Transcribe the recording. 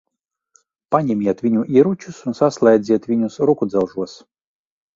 Paņemiet viņu ieročus un saslēdziet viņus rokudzelžos.